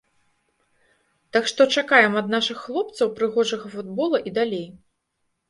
Так што чакаем ад нашых хлопцаў прыгожага футбола і далей.